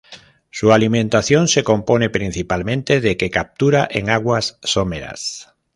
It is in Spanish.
Su alimentación se compone principalmente de que captura en aguas someras.